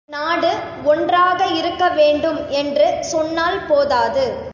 நாடு ஒன்றாக இருக்கவேண்டும் என்று சொன்னால் போதாது.